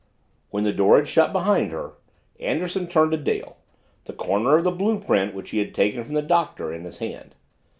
When the door had shut behind her, Anderson turned to Dale, the corner of blue print which he had taken from the Doctor in his hand.